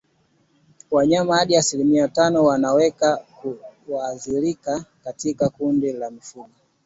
Wanyama hadi asilimia tano wanaweza kuathirika katika kundi la mifugo